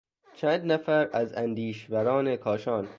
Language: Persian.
چند نفر از اندیشوران کاشان